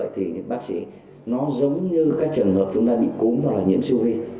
thì bác sĩ giống như các trường hợp chúng ta bị cúm hoặc nhiễm siêu vi